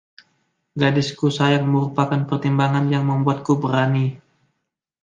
Gadisku sayang merupakan pertimbangan yang membuatku berani.